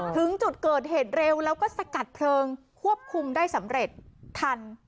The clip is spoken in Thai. ถึงจุดเกิดเหตุเร็วแล้วก็สกัดเพลิงควบคุมได้สำเร็จทัน